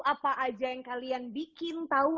apa aja yang kalian bikin tahu